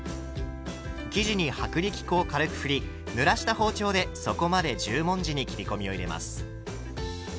生地に薄力粉を軽くふりぬらした包丁で底まで十文字に切り込みを入れます。